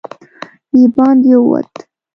د باندې ووت.